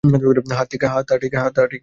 হ্যাঁ তা ঠিক।